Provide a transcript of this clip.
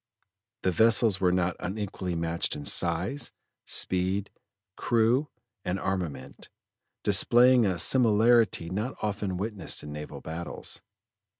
The vessels were not unequally matched in size, speed, crew, and armament, displaying a similarity not often witnessed in naval battles.